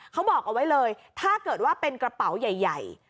เขาบอกเอาไว้เลยถ้าเกิดว่าเป็นกระเป๋าใหญ่